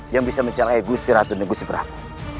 yang bisa mencari gusi ratu dan gusi prabu